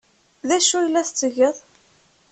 D acu ay la tettgeḍ?